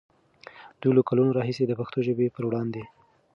دوی له کلونو راهیسې د پښتو ژبې پر وړاندې